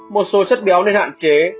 một số chất béo nên hạn chế